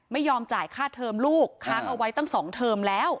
ไม่ยอมจ่ายค่าเทอมลูกค้างเอาไว้ตั้ง๒เทอมแล้ว